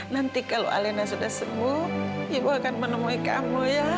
nanti kalau alina sudah sembuh ibu akan menemui kamu ya